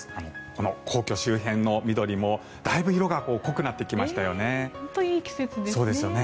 この皇居周辺の緑もだいぶ色が濃くなってきましたよね。